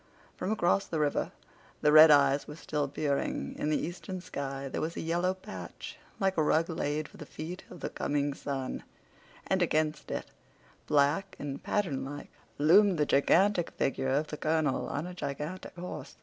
From across the river the red eyes were still peering. In the eastern sky there was a yellow patch like a rug laid for the feet of the coming sun; and against it, black and patternlike, loomed the gigantic figure of the colonel on a gigantic horse.